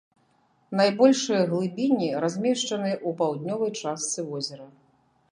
Найбольшыя глыбіні размешчаны ў паўднёвай частцы возера.